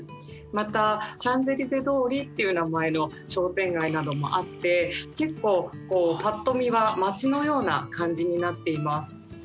またシャンゼリゼ通りっていう名前の商店街などもあって結構ぱっと見は町のような感じになっています。